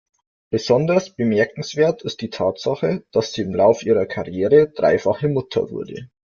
Besonders bemerkenswert ist die Tatsache, dass sie im Lauf ihrer Karriere dreifache Mutter wurde.